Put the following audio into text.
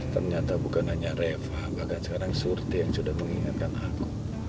ternyata bukan hanya reva bahkan sekarang surti yang sudah mengingatkan aku